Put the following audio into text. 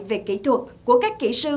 về kỹ thuật của các kỹ sư